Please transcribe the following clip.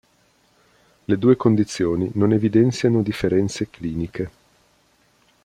Le due condizioni non evidenziano differenze cliniche.